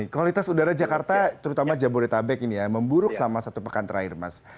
kualitas udara jakarta terutama jabodetabek ini ya memburuk selama satu pekan terakhir mas